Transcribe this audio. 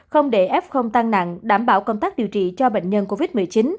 không để f tăng nặng đảm bảo công tác điều trị cho bệnh nhân covid một mươi chín